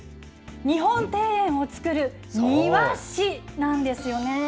日本庭園を造る庭師なんですよね。